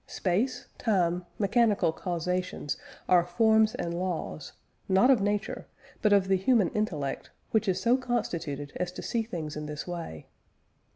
Space, time, mechanical causation are forms and laws, not of nature, but of the human intellect, which is so constituted as to see things in this way.